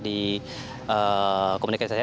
di komunikasi saya